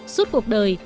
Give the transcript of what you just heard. suốt cuộc đời